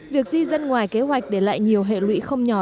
việc di dân ngoài kế hoạch để lại nhiều hệ lụy không nhỏ